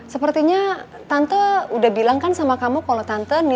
sepertinya tante udah bilang kan sama kamu kalau tante udah pulang ya